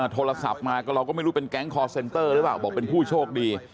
โทรศัพท์มาก็เราก็ไม่รู้เป็นแก๊งคอร์เซ็นเตอร์หรือเปล่าบอกเป็นผู้โชคดี